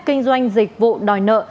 kinh doanh dịch vụ đòi nợ